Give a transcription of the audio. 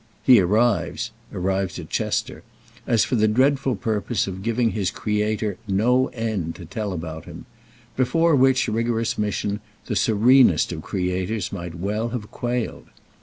He arrives (arrives at Chester) as for the dreadful purpose of giving his creator "no end" to tell about him—before which rigorous mission the serenest of creators might well have quailed.